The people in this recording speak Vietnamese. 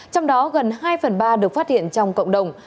trong đó gần hai phần ba được phát hiện trong cộng đồng